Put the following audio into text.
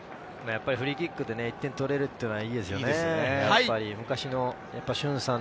フリーキックで１点取れるというのはいいですよね。